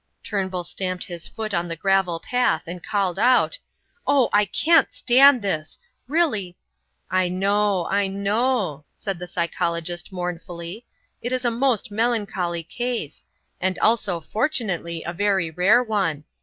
Turnbull stamped his foot on the gravel path, and called out: "Oh, I can't stand this. Really " "I know, I know," said the psychologist, mournfully; "it is a most melancholy case, and also fortunately a very rare one.